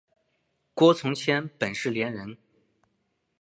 郭从谦本是伶人。